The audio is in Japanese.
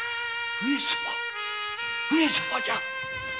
上様じゃ‼